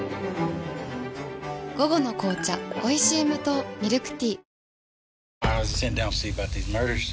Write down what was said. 午後の紅茶おいしい無糖ミルクティー